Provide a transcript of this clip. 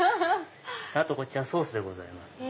こちらソースでございます。